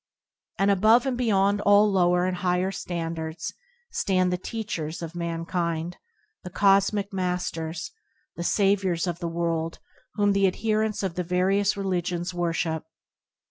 And above and beyond all lower and higher standards stand the Teachers of man kind, the Cosmic Masters, the Saviours of the world whom the adherents of the various religions worship.